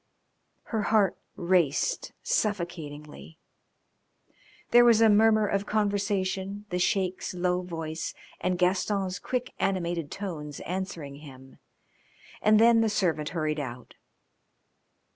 Her heart raced suffocatingly. There was a murmur of conversation, the Sheik's low voice and Gaston's quick animated tones answering him, and then the servant hurried out.